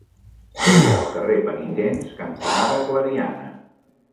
Què hi ha al carrer Penitents cantonada Clariana?